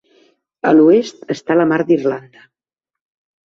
A l'oest està la mar d'Irlanda.